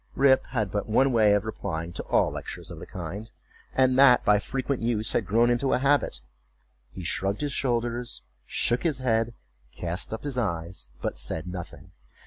Rip had but one way of replying to all lectures of the kind, and that, by frequent use, had grown into a habit. He shrugged his shoulders, shook his head, cast up his eyes, but said nothing.